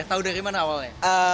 tau dari mana awalnya